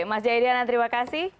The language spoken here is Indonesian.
mas jaya dianan terima kasih